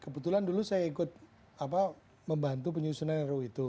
kebetulan dulu saya ikut membantu penyusunan ru itu